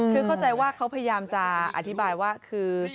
คือเข้าใจว่าเขาพยายามจะอธิบายว่าคือ